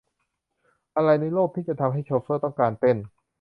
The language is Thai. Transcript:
อะไรในโลกที่จะทำให้โชเฟอร์ต้องการเต้น ?